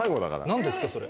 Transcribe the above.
何ですかそれ。